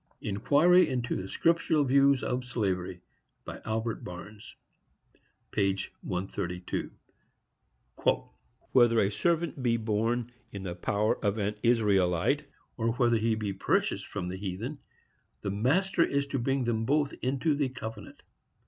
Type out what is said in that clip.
—Inquiry into the Scriptural Views of Slavery. By Albert Barnes, p. 132. Whether a servant be born in the power of an Israelite, or whether he be purchased from the heathen, the master is to bring them both into the covenant.